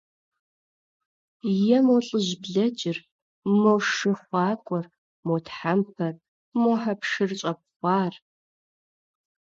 Международный уголовный суд является главным многосторонним механизмом достижения этой цели.